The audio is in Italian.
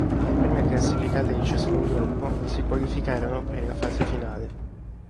Le prime classificate di ciascun gruppo si qualificarono per la fase finale.